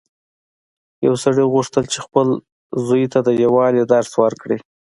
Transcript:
یو سړي غوښتل چې خپل زوی ته د یووالي درس ورکړي.